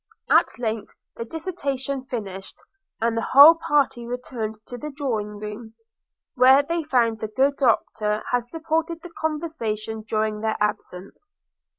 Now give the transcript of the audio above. At length the dissertation finished; and the whole party returned to the drawing room, where they found the good Doctor had supported the conversation during their absence.